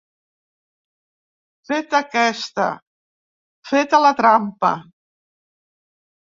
Feta aquesta, feta la trampa.